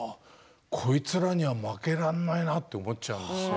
こいつらには負けられないなと思っちゃいますよ。